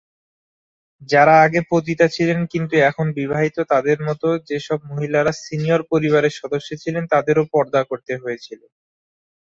যারা আগে পতিতা ছিলেন কিন্তু এখন বিবাহিত তাদের মতো যেসব মহিলারা "সিনিয়র" পরিবারের সদস্য ছিলেন তাদেরও পর্দা করতে হয়েছিল।